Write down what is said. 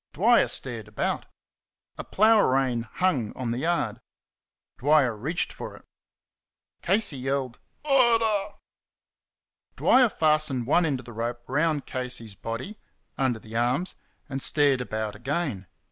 Dwyer stared about. A plough rein hung on the yard. Dwyer reached for it. Casey yelled, "Murder!" Dwyer fastened one end of the rope round Casey's body under the arms and stared about again.